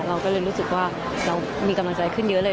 เราก็เลยรู้สึกว่าเรามีกำลังใจขึ้นเยอะเลย